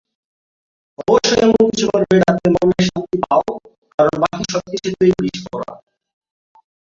অবশ্যই এমনকিছু করবে যাতে মনে শান্তি পাও, কারণ বাকি সবকিছুই বিষফোড়া।